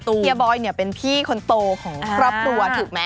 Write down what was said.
เฮียบอยเนี่ยเป็นพี่คนโตของครอบครัวถูกไหม